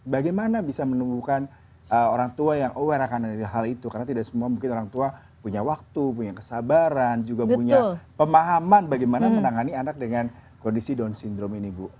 bagaimana bisa menumbuhkan orang tua yang aware akan dari hal itu karena tidak semua mungkin orang tua punya waktu punya kesabaran juga punya pemahaman bagaimana menangani anak dengan kondisi down syndrome ini bu